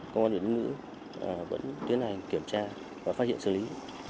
công an huyện tiên lữ vẫn tuyến hành kiểm tra và phát hiện xử lý